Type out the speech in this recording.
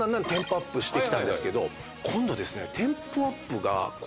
今度ですね。